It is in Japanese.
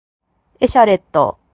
エシャレット